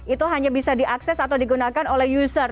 itu hanya bisa diakses atau digunakan oleh user